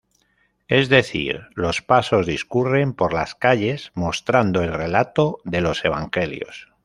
Es decir, los pasos discurren por las calles mostrando el relato de los evangelios.